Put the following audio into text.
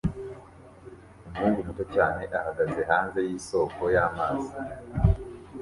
Umuhungu muto cyane ahagaze hanze yisoko y'amazi